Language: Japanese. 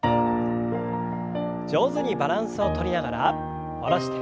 上手にバランスをとりながら下ろして。